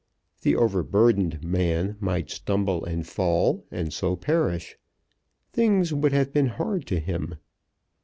The overburdened man might stumble and fall, and so perish. Things would have been hard to him.